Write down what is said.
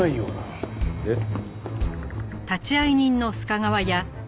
えっ？